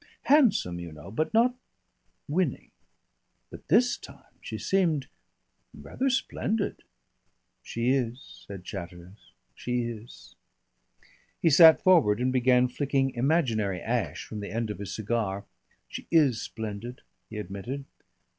Handsome, you know, but not winning. But this time, she seemed ... rather splendid." "She is," said Chatteris, "she is." He sat forward and began flicking imaginary ash from the end of his cigar. "She is splendid," he admitted.